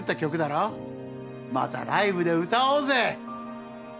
またライブで歌おうぜ！